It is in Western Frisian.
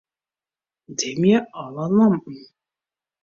Dimje alle lampen.